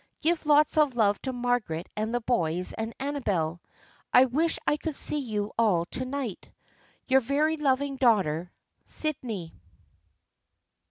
Give lots of love to Margaret and the boys and Amabel. I wish I could see you all to night. " Your very loving daughter, " Sydney."